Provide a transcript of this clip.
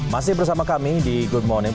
masih bersama kami di good morning